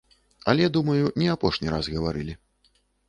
Але, думаю, не апошні раз гаварылі!